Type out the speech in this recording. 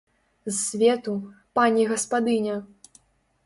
З свету, пані гаспадыня!